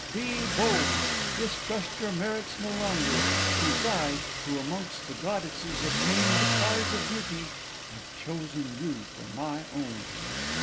Be bold; distrust your merits no longer, since I, who amongst the goddesses obtained the prize of beauty, have chosen you for my own."